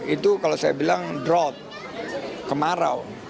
itu kalau saya bilang drop kemarau